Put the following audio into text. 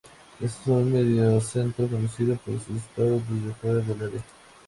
Es un mediocentro conocido por sus disparos desde fuera del área.